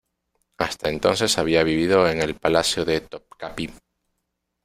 Hasta entonces había vivido en el Palacio de Topkapi.